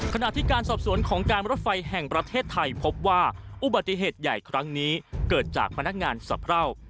ขณะที่การสอบสวนของการรถไฟแห่งประเทศไทยพบว่าอุบัติเหตุใหญ่ครั้งนี้เกิดจากพนักงานสะเพรา